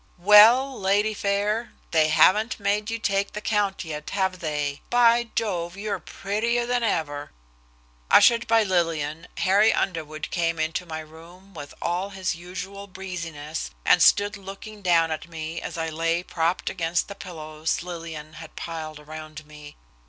"Well, lady fair, they haven't made you take the count yet, have they? By Jove, you're prettier than ever." Ushered by Lillian, Harry Underwood came into my room with all his usual breeziness, and stood looking down at me as I lay propped against the pillows Lillian had piled around me.